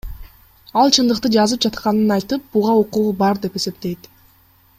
Ал чындыкты жазып жатканын айтып, буга укугу бар деп эсептейт.